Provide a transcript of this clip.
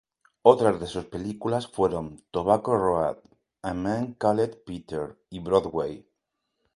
Otras de sus películas fueron "Tobacco Road", "A Man Called Peter", y "Broadway".